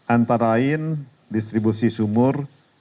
antara lain distribusi sumur